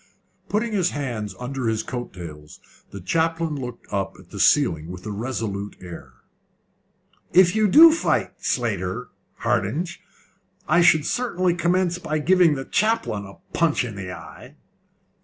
Putting his hands under his coat tails, the chaplain looked up at the ceiling with a resolute air. "If you do fight Slater, Hardinge, I should certainly commence by giving the chaplain a punch in the eye."